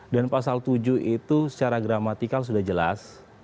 dan pasal tujuh itu secara gramatikal sudah jelas